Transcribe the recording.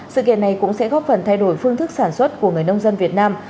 sự kiện này cũng sẽ góp phần thay đổi phương thức sản xuất của người nông dân việt nam